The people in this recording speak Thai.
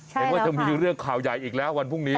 เห็นว่าจะมีเรื่องข่าวใหญ่อีกแล้ววันพรุ่งนี้